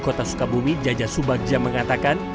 kota sukabumi jaja subagja mengatakan